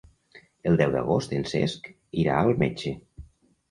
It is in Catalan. El deu d'agost en Cesc irà al metge.